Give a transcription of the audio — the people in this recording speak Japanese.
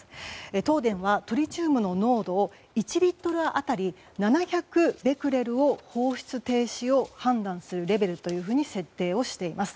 東電はトリチウムの濃度を１リットル当たり７００ベクレルを放出停止を判断するレベルと設定しています。